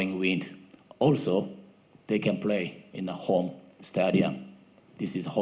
ini adalah negara rumah untuk mereka